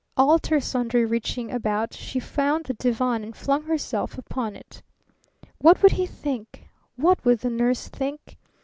Alter sundry reaching about she found the divan and flung herself upon it. What would he think? What would the nurse think?